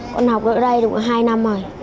con học ở đây được hai năm rồi